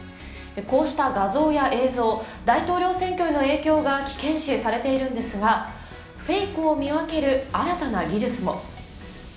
こうした画像や映像大統領選挙への影響が危険視されているんですがフェイクを見分ける新たな技術も。